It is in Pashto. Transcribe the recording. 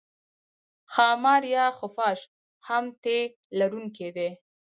ښامار یا خفاش هم تی لرونکی دی